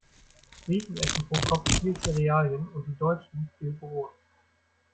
Briten essen pro Kopf viel Zerealien und die Deutschen viel Brot.